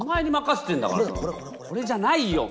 これじゃないよ。